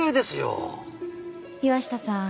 岩下さん